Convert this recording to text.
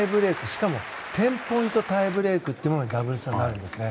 しかも１０ポイントタイブレークというものにダブルスはなるんですね。